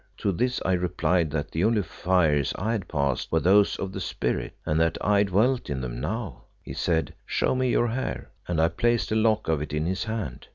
To this I replied that the only fires I had passed were those of the spirit, and that I dwelt in them now. He said, 'Show me your hair,' and I placed a lock of it in his hand.